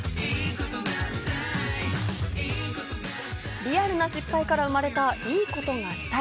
リアルな失敗から生まれた『いいことがしたい』。